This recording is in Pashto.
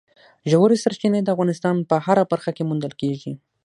ژورې سرچینې د افغانستان په هره برخه کې موندل کېږي.